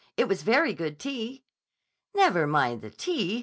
It was very good tea." "Never mind the tea.